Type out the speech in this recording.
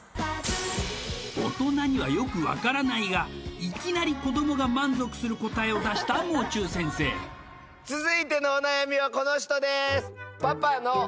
大人にはよく分からないがいきなり子どもが満足する答えを出したもう中先生続いてのお悩みはこの人です